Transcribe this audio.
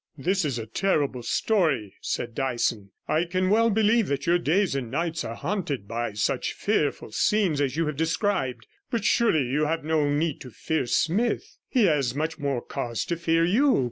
This is a terrible story,' said Dyson; 'I can well believe that your days and nights are haunted by such fearful scenes as you have described. But surely you have no need to fear Smith? He has much more cause to fear you.